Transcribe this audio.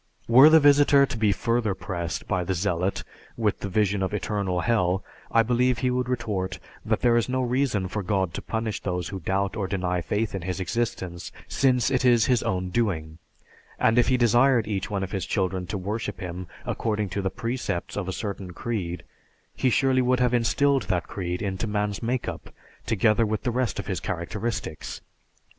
Were the visitor to be further pressed by the zealot with the vision of eternal hell, I believe he would retort that there is no reason for God to punish those who doubt or deny faith in His existence, since it is His own doing; and if He desired each one of His children to worship Him according to the precepts of a certain creed, He surely would have instilled that creed into man's make up together with the rest of his characteristics.